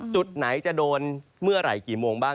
จุดไหนจะโดนเมื่อไหร่กี่โมงบ้าง